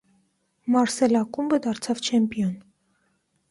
«Մարսել» ակումբը դարձավ չեմպիոն։